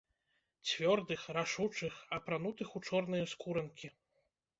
Цвёрдых, рашучых, апранутых у чорныя скуранкі.